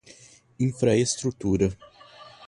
infraestrutura